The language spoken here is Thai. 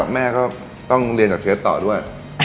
แม่ก็ต้องเรียนจากเคสต่อด้วย